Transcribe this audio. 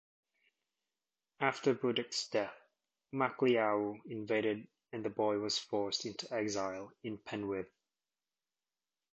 After Budic's death, Macliau invaded and the boy was forced into exile in Penwith.